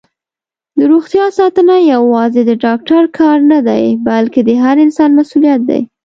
دروغتیا ساتنه یوازې د ډاکټر کار نه دی، بلکې د هر انسان مسؤلیت دی.